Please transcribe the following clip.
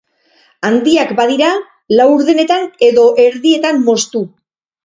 Handiak badira, laurdenetan edo erdietan moztu.